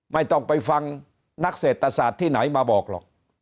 ไม่ต้องไปฟังนักเศรษฐศาสตร์ที่ไหนมาบอกหรอก